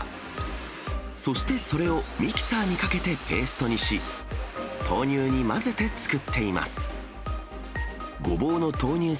そしてそれをミキサーにかけてペーストにし、豆乳に混ぜて作っています。